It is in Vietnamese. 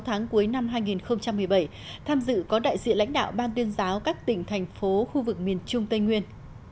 sáu tháng cuối năm hai nghìn một mươi bảy tham dự có đại diện lãnh đạo ban tuyên giáo các tỉnh thành phố khu vực miền trung tây nguyên